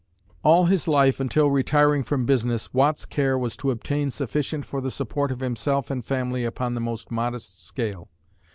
_ All his life until retiring from business, Watt's care was to obtain sufficient for the support of himself and family upon the most modest scale.